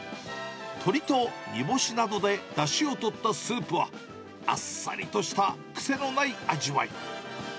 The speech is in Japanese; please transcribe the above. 鶏と煮干しなどでだしをとったスープは、あっさりとした、癖のない味わい。